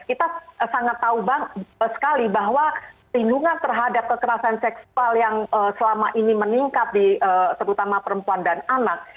kita sangat tahu sekali bahwa bingungan terhadap kekerasan seksual yang selama ini meningkat terutama perempuan dan anak